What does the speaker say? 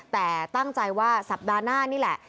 แต่ตั้งใจว่าสัปดาห์หน้านี่แหละ